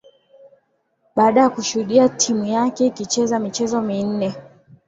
baada ya kushudia timu yake ikicheza michezo minne